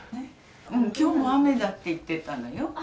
今日も雨だって言ってたのよ。